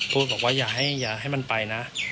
พูดบอกว่าอย่าให้มันไปนะ